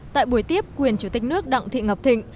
tại buổi tiếp quyền chủ tịch nước đặng thị ngọc thịnh